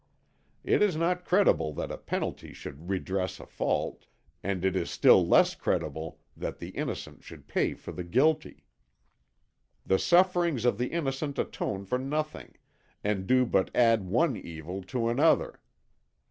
It is not credible that a penalty should redress a fault, and it is still less credible that the innocent should pay for the guilty. The sufferings of the innocent atone for nothing, and do but add one evil to another.